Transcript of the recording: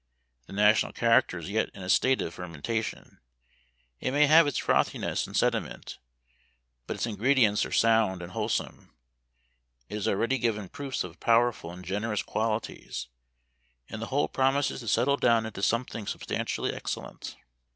The national character is yet in a state of fermentation: it may have its frothiness and sediment, but its ingredients are sound and wholesome; it has already given proofs of powerful and generous qualities; and the whole promises to settle down into something substantially excellent.